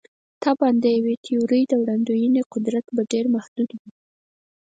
طبعاً د یوې تیورۍ د وړاندوینې قدرت به ډېر محدود وي.